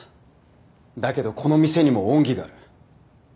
だけどこの店にも恩義がある。